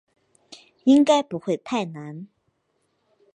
应该不会太难